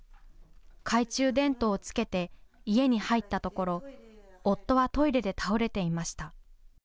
懐中電灯をつけて家に入ったところ夫はトイレで倒れていました。